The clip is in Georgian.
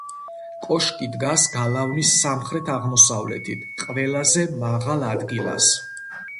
კოშკი დგას გალავნის სამხრეთ-აღმოსავლეთით, ყველაზე მაღალ ადგილას.